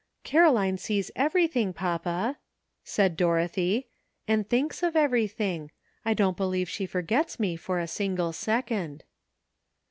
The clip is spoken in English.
"Caroline sees everything, papa," said Dorothy, "and thinks of everything. I don't believe she forgets me for a single second."